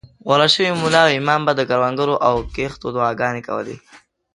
غوره شوي ملا او امام به د کروندو او کښتو دعاګانې کولې.